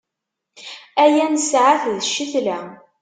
Aya nesɛa-t d ccetla.